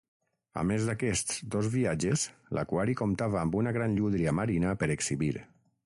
A més d'aquests dos viatges, l'aquari comptava amb una gran llúdria marina per exhibir.